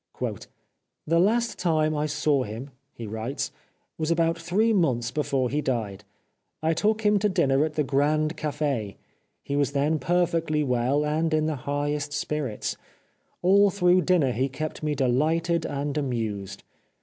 " The last time I saw him," he writes, " was about three months before he died. I took him to dinner at the Grand Cafe. He was then perfectly well and in the highest spirits. All through dinner he kept me delighted and amused.